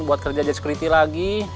buat kerja deskripti lagi